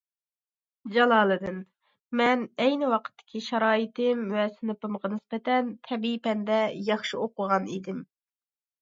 جالالىدىن: مەن ئەينى ۋاقىتتىكى شارائىتىم ۋە سىنىپىمغا نىسبەتەن تەبىئىي پەندە ياخشى ئوقۇغان ئىدىم.